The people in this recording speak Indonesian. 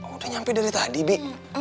udah nyampe dari tadi bi